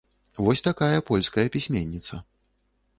Вось такая польская пісьменніца.